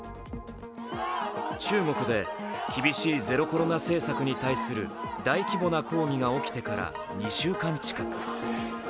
中国で厳しいゼロコロナ政策に対する大規模な抗議が起きてから２週間近く。